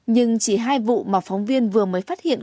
nhưng chỉ hai vụ mà phóng viên vừa mới phát hiện